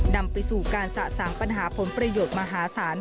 นำไปสู่การสะสางปัญหาผลประโยชน์มหาศาล